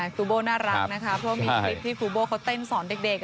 ครูโบ้น่ารักนะคะเพราะมีคลิปที่ฟูโบ้เขาเต้นสอนเด็ก